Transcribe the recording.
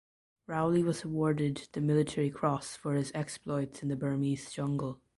Rowley was awarded the Military Cross for his exploits in the Burmese jungle.